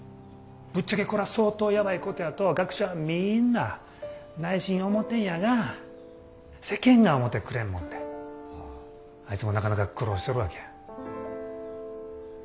ぶっちゃけこら相当やばいことやとは学者はみんな内心思てんやが世間が思てくれんもんであいつもなかなか苦労しとるわけや。